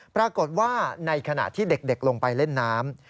ปรากฏว่าในขณะที่เด็กลงไปเล่นน้ำ